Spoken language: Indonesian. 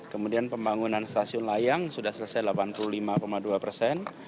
kemudian pembangunan stasiun layang sudah selesai delapan puluh lima dua persen